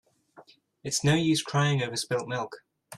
It is no use crying over spilt milk.